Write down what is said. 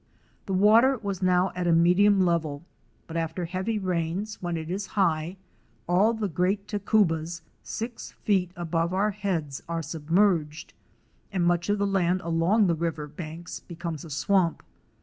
The water was now at a medium level, but after heavy rains when it is high, all the great tacubas six feet above our heads are submerged and much of the land along the river banks becomes a swamp.